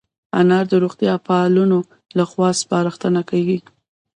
انار د روغتیا پالانو له خوا سپارښتنه کېږي.